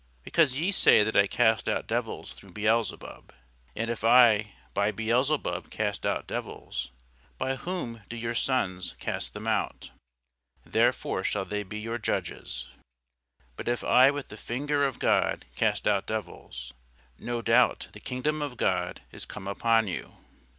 because ye say that I cast out devils through Beelzebub. And if I by Beelzebub cast out devils, by whom do your sons cast them out? therefore shall they be your judges. But if I with the finger of God cast out devils, no doubt the kingdom of God is come upon you.